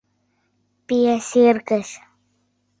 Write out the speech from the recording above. — Пиясир гыч.